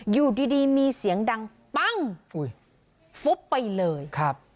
อยู่ดีดีมีเสียงดังปั้งฟุ๊บไปเลยครับ